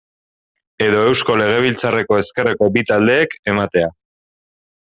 Edo Eusko Legebiltzarreko ezkerreko bi taldeek ematea.